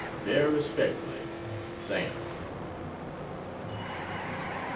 Very Respectfully SAM.